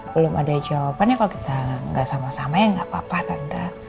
belum ada jawabannya kalo kita gak sama sama ya gak apa apa tante